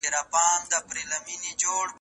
ماته مي قسمت له خپلي ژبي اور لیکلی دی